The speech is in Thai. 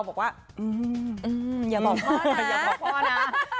บอกว่าอย่าบอกพ่อนะ